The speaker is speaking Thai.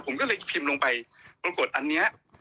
ผมก็เลยพิมพ์ลงไปปรากฏอันนี้